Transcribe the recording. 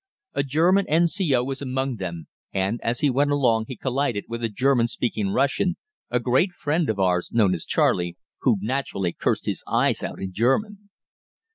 A German N.C.O. was among them, and as he went along he collided with a German speaking Russian, a great friend of ours known as Charley, who naturally cursed his eyes out in German.